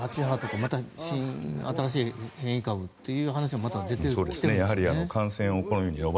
また新しい変異株という話が出てきているんですよね。